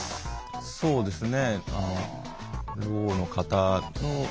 そうですね。